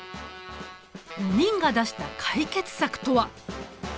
４人が出した解決策とは。